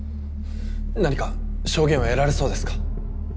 何か証言は得られそうですか？